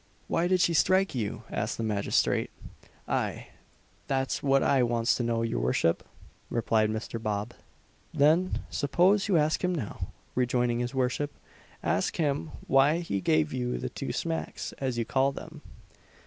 "Why did he strike you?" asked the magistrate. "Aye, that's what I wants to know, your worship!" replied Mr. Bob. "Then suppose you ask him now," rejoined his worship; "ask him, why he gave you the two smacks, as you call them."